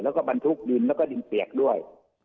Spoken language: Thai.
แล้วก็บรรทุกดินแล้วก็ดินเปียกด้วย